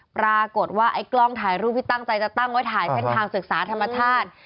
ปรากฏว่าไอ้กล้องถ่ายรูปที่ตั้งใจจะตั้งไว้ถ่ายเส้นทางศึกษาธรรมชาติ